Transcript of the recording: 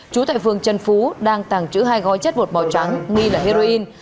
chú tại phường trần phú đang tàng trữ hai gói chất bột màu trắng nghi là heroin